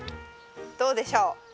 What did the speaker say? どうでしょう？